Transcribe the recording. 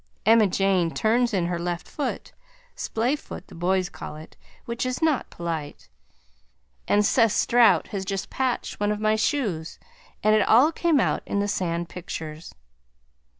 Emma Jane turns in her left foot (splayfoot the boys call it, which is not polite) and Seth Strout had just patched one of my shoes and it all came out in the sand pictures.